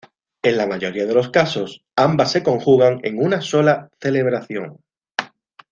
En la mayoría de los casos ambas se conjugan en una sola celebración.